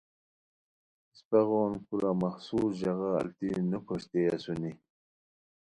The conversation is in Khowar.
اسپہ غون کورا مخصوص ژاغا الیتی نوکھوشتئے اسونی۔